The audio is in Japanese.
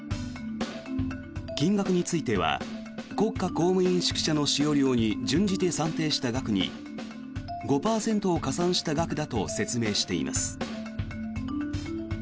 金額については国家公務員宿舎の使用料に準じて算定した額に５％を加算した額だと説明しています。